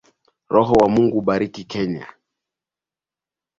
Roho wa Mungu Bariki kenya